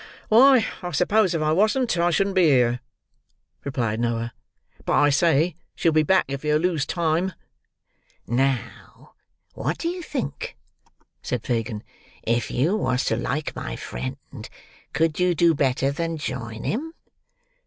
"Why, I suppose if I wasn't, I shouldn't be here," replied Noah. "But, I say, she'll be back if yer lose time." "Now, what do you think?" said Fagin. "If you was to like my friend, could you do better than join him?"